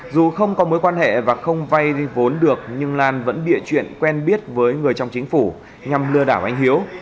dù không có mối quan hệ và không vay vốn được nhưng lan vẫn bịa chuyện quen biết với người trong chính phủ nhằm lừa đảo anh hiếu